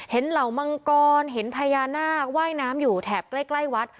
เหล่ามังกรเห็นพญานาคว่ายน้ำอยู่แถบใกล้วัด